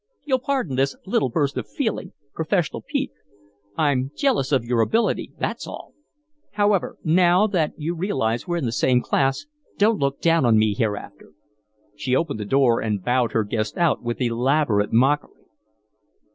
You'll pardon this little burst of feeling professional pique. I'm jealous of your ability, that's all. However, now that you realize we're in the same class, don't look down on me hereafter." She opened the door and bowed her guest out with elaborate mockery.